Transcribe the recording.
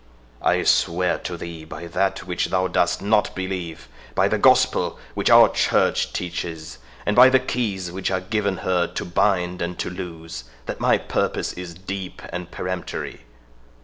I swear to thee by that which thou dost NOT believe, by the gospel which our church teaches, and by the keys which are given her to bind and to loose, that my purpose is deep and peremptory.